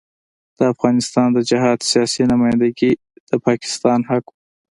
د افغانستان د جهاد سیاسي نمايندګي د پاکستان حق وو.